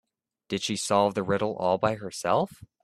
Did she solve the riddle all by herself?